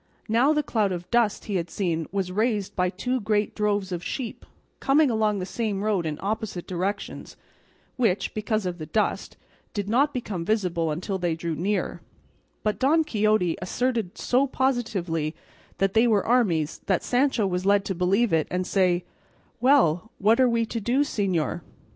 Now the cloud of dust he had seen was raised by two great droves of sheep coming along the same road in opposite directions, which, because of the dust, did not become visible until they drew near, but Don Quixote asserted so positively that they were armies that Sancho was led to believe it and say, "Well, and what are we to do, señor?"